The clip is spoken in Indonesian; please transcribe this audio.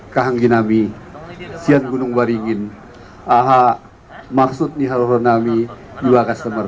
khanjinami siang gunung waringin ah maksud nih al horonami dua customer